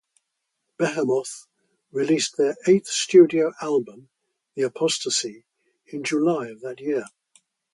Behemoth released their eighth studio album "The Apostasy" in July of that year.